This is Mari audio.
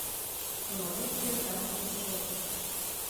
Тыланет кертам полшен.